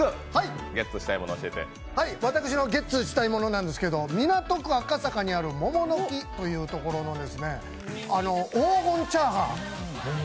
私のゲッツしたいものなんですけど、港区赤坂にある桃の木というところの黄金チャーハン。